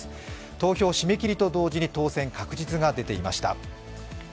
投票締め切りと当時に当選確実が出ていました。